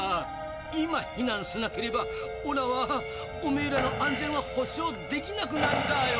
今避難しなければオラはオメエらの安全は保証できなくなるだあよ。